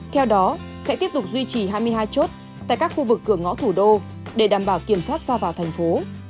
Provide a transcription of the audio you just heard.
theo đó sẽ tiếp tục duy trì hai mươi hai chốt tại các khu vực cửa ngõ thủ đô để đảm bảo kiểm soát xa vào thành phố